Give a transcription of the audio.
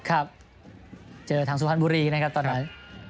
ครับเจอทางสุพรรณบุรีนะครับตอนนั้น